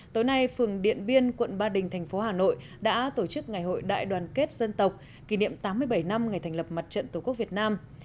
tối nay phường điện biên quận ba đình thành phố hà nội đã tổ chức ngày hội đại đoàn kết dân tộc kỷ niệm tám mươi bảy năm ngày thành lập mặt trận tổ quốc việt nam